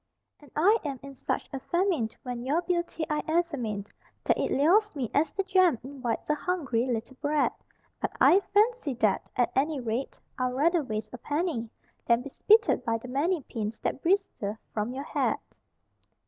And I am in such a famine when your beauty I examine That it lures me as the jam invites a hungry little brat; But I fancy that, at any rate, I'd rather waste a penny Than be spitted by the many pins that bristle from your hat.